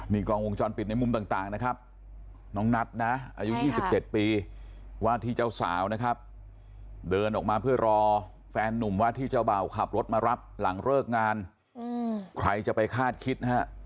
นี่กล้องวงจรปิดในมุมต่างนะครับน้องนัทนะอายุ๒๗ปีว่าที่เจ้าสาวนะครับเดินออกมาเพื่อรอแฟนนุ่มว่าที่เจ้าบ่าวขับรถมารับหลังเลิกงานใครจะไปคาดคิดนะฮะ